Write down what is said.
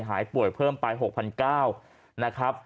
หายป่วยเพิ่มไป๖๙๐๐นะครับ